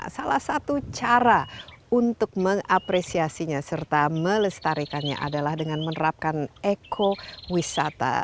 salah satu cara untuk mengapresiasinya serta melestarikannya adalah dengan menerapkan ekowisata